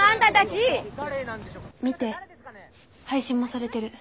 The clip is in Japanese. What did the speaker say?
見て配信もされてる。